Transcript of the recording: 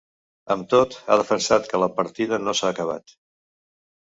Amb tot, ha defensat que la partida ‘no s’ha acabat’.